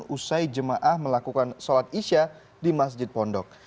usai jemaah melakukan sholat isya di masjid pondok